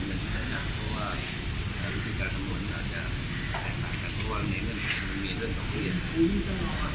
มันก็จะได้เป็นสารในการที่จะประสูรในเรื่องของการพูดคุยกับสัตว์ทุกเกียรติ